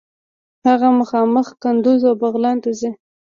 هغه مخامخ قندوز او بغلان ته ځي.